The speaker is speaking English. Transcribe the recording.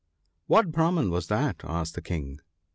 * What Brahman was that ?' asked the King.